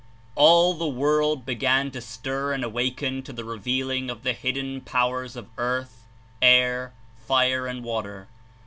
All the world began to stir and awaken to the re vealing of the hidden powers of earth, air, fire and water.